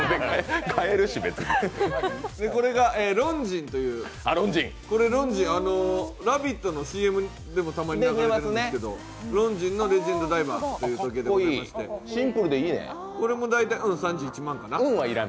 これがＬｏｎｇｉｎｅｓという、「ラヴィット！」のＣＭでもたまに流れていますけどＬｏｎｇｉｎｅｓのレジェンドダイバーという時計でございまして、うん、これも大体３１万かな。